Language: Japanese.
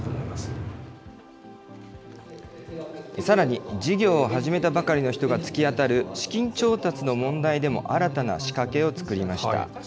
さらに、事業を始めたばかりの人が突き当たる資金調達の問題でも、新たな仕掛けを作りました。